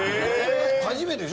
初めてでしょ？